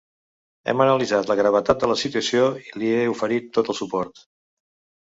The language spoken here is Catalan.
Hem analitzat la gravetat de la situació i li he oferit tot el suport.